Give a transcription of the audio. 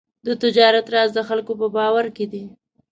د تجارت راز د خلکو په باور کې دی.